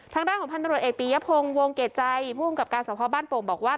ทางด้านของพันตรวจเอกปียพงศ์วงเกรดใจผู้กำกับการสภบ้านโป่งบอกว่า